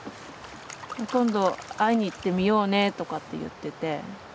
今度会いに行ってみようねとかって言ってて。